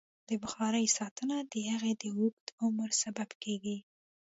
د بخارۍ ساتنه د هغې د اوږد عمر سبب کېږي.